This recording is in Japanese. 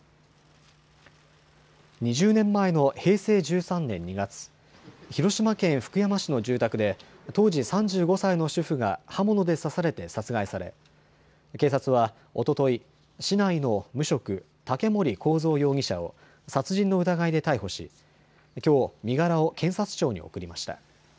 ２０年前の平成１３年２月、広島県福山市の住宅で当時３５歳の主婦が刃物で刺されて殺害され警察はおととい、市内の無職、竹森幸三容疑者を殺人の疑いで逮捕しきょう身柄を検察庁に送りました。